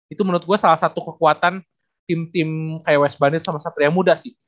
itu menurut gue salah satu kekuatan tim tim kayak west bandit sama satria muda sih